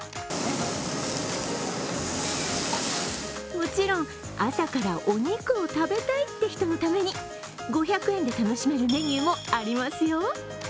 もちろん朝からお肉を食べたいって人のために５００円で楽しめるメニューもありますよ。